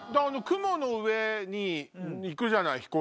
雲の上に行くじゃない？